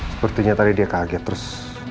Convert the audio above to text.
sepertinya tadi dia kaget terus